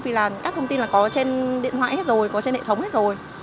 vì là các thông tin là có trên điện thoại hết rồi có trên hệ thống hết rồi